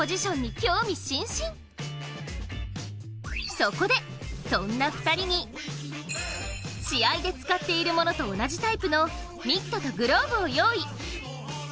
そこで、そんな２人に試合で使っているものと同じタイプのミットとグローブを用意。